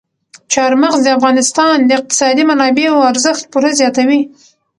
چار مغز د افغانستان د اقتصادي منابعو ارزښت پوره زیاتوي.